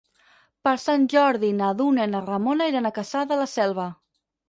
Per Sant Jordi na Duna i na Ramona iran a Cassà de la Selva.